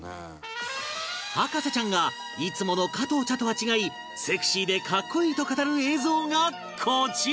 博士ちゃんがいつもの加藤茶とは違いセクシーで格好いいと語る映像がこちら！